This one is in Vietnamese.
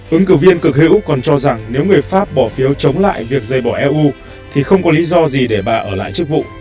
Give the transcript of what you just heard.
ứng cử viên cực hữu còn cho rằng nếu người pháp bỏ phiếu chống lại việc dây bỏ eu thì không có lý do gì để bà ở lại chức vụ